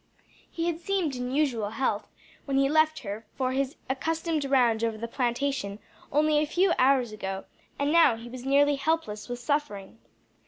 He had seemed in usual health when he left her for his accustomed round over the plantation only a few hours ago, and now he was nearly helpless with suffering.